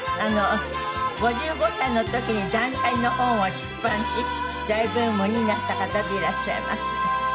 ５５歳の時に断捨離の本を出版し大ブームになった方でいらっしゃいます。